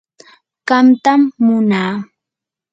qamtam munaa.